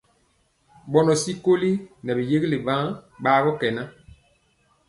Bɔnɔ tyikoli nɛ bi yégelé biaŋg bagɔ kɛ nɛ.